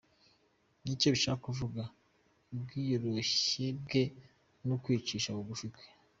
Nicyo bishaka kuvuga ubwiyoroshye bwe n’ukwicisha bugufi kwe.